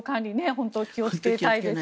本当に気をつけたいですね。